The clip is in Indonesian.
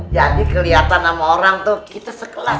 jadi keliatan sama orang tuh kita sekelas